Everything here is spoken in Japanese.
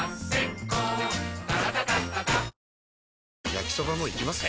焼きソバもいきます？